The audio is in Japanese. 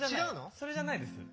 それじゃないです。